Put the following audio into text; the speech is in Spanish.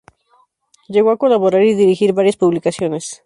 Llegó a colaborar y dirigir varias publicaciones.